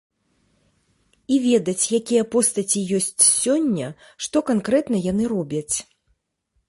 І ведаць, якія постаці ёсць сёння, што канкрэтна яны робяць.